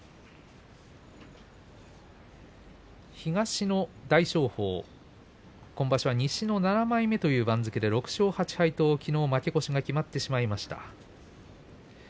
東の大翔鵬今場所は西の７枚目という番付で６勝８敗ときのう負け越しが決まってしまいました。